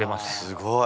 すごい。